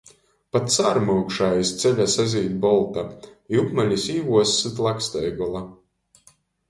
Pat cārmyukša aiz ceļa sazīd bolta, i upmalis īvuos syt laksteigola.